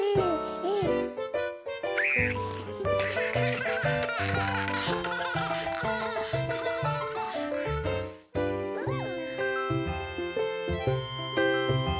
うん！